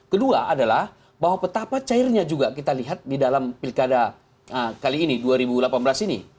kedua adalah bahwa betapa cairnya juga kita lihat di dalam pilkada kali ini dua ribu delapan belas ini